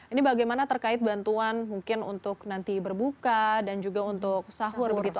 ini bagaimana terkait bantuan mungkin untuk nanti berbuka dan juga untuk sahur begitu